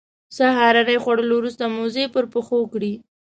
سهارنۍ خوړلو وروسته موزې پر پښو کړې.